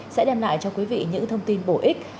sẽ đem lại cho quý vị những thông tin bổ ích